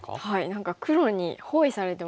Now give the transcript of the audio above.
何か黒に包囲されてますね。